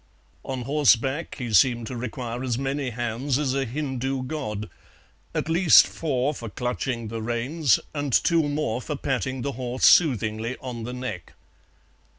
On horseback he seemed to require as many hands as a Hindu god, at least four for clutching the reins, and two more for patting the horse soothingly on the neck.